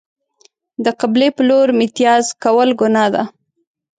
د قبلې په لور میتیاز کول گناه ده.